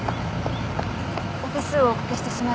お手数をお掛けしてしまい